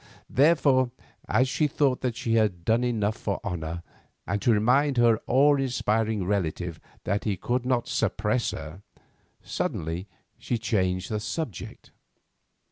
Therefore, as she thought that she had done enough for honour, and to remind her awe inspiring relative that he could not suppress her, suddenly she changed the subject.